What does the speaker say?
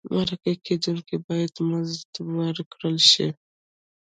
مرکه کېدونکی باید مزد ورکړل شي.